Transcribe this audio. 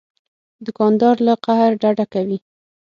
دوکاندار له قهره ډډه کوي.